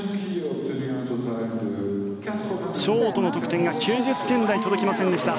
ショートの得点が９０点台、届きませんでした。